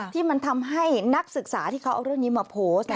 ที่มันทำให้นักศึกษาที่เขาเอาเรื่องนี้มาโพสต์